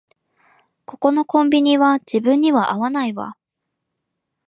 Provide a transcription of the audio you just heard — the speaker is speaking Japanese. ここのコンビニは自分には合わないわ